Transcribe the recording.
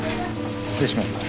失礼します。